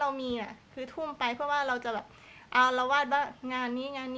เหมือนทำธุรกิจเลย